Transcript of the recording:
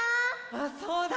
あっそうだ！